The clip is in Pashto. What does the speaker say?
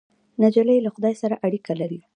نجلۍ له خدای سره اړیکه لري.